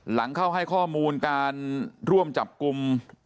หลังเข้าให้ข้อมูลการร่วมจับกลุ่ม